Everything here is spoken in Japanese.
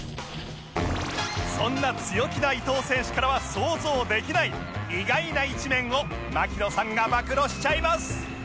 そんな強気な伊藤選手からは想像できない意外な一面を槙野さんが暴露しちゃいます